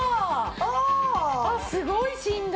あっすごい振動！